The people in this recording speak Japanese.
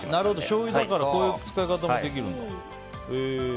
しょうゆだからこういう使い方もできるんだ。